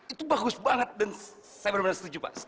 itu bagus banget dan saya bener bener setuju pak